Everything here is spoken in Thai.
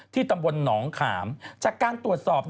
ที่ตำวันหนองขามจากการตรวจสอบ